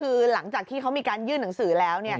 คือหลังจากที่เขามีการยื่นหนังสือแล้ว